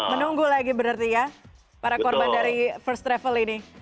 menunggu lagi berarti ya para korban dari first travel ini